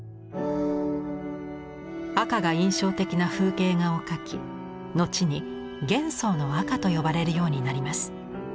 赤が印象的な風景画を描き後に「元宋の赤」と呼ばれるようになります。